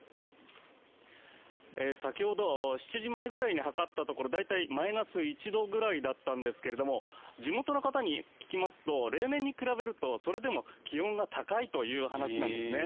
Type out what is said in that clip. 先ほど７時前ぐらいに測ったところ大体マイナス１度ぐらいだったんですが地元の方に聞きますと例年に比べるとそれでも気温が高いという話なんですね。